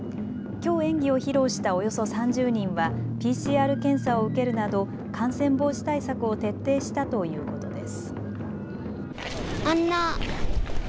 きょう演技を披露したおよそ３０人はＰＣＲ検査を受けるなど感染防止対策を徹底したということです。